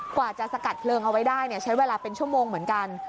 กว่าจะสกัดเพลิงเอาไว้ได้ใช้เวลาเป็นชั่วโมงเหมือนกัน